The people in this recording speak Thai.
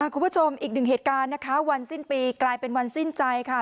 คุณผู้ชมอีกหนึ่งเหตุการณ์นะคะวันสิ้นปีกลายเป็นวันสิ้นใจค่ะ